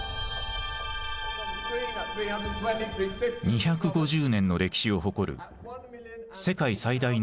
２５０年の歴史を誇る世界最大のオークション。